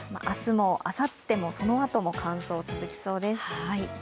明日もあさっても、そのあとも乾燥が続きそうです。